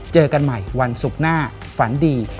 เจอกันใหม่วันศุกร์หน้าฝันดี